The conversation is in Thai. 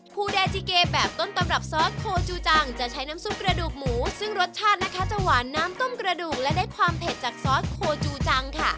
ครูแดจิเกแบบต้นตำรับซอสโคจูจังจะใช้น้ำซุปกระดูกหมูซึ่งรสชาตินะคะจะหวานน้ำต้มกระดูกและได้ความเผ็ดจากซอสโคจูจังค่ะ